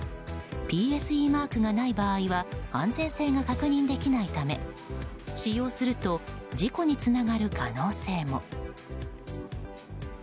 ＰＳＥマークがない場合は安全性が確認できないため使用すると事故につながる可能性も。